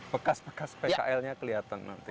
pekas pekas bkl nya kelihatan nanti